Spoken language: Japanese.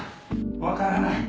わからない！